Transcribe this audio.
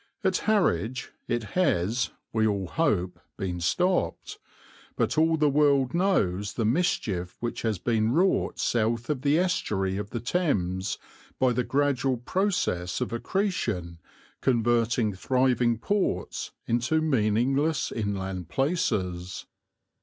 At Harwich it has, we all hope, been stopped, but all the world knows the mischief which has been wrought south of the estuary of the Thames by the gradual process of accretion converting thriving ports into meaningless inland places.